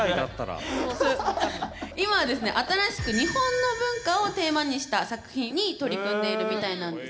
今新しく日本の文化をテーマにした作品に取り組んでいるみたいなんですね。